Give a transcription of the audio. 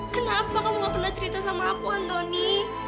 kenapa kamu nggak pernah cerita sama aku antoni